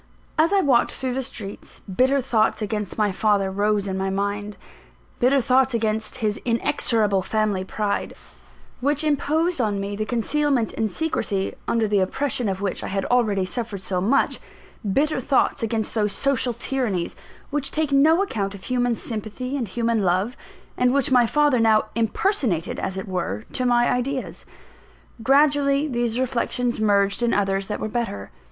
As I walked through the streets, bitter thoughts against my father rose in my mind bitter thoughts against his inexorable family pride, which imposed on me the concealment and secrecy, under the oppression of which I had already suffered so much bitter thoughts against those social tyrannies, which take no account of human sympathy and human love, and which my father now impersonated, as it were, to my ideas. Gradually these reflections merged in others that were better.